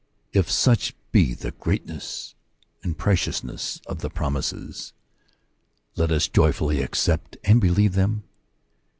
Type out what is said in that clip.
If such be the greatness and preciousness of the promises, let us joyfully accept and believe them.